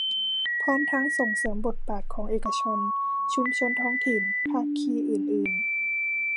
พร้อมทั้งส่งเสริมบทบาทของเอกชน ชุมชนท้องถิ่น ภาคีอื่นอื่น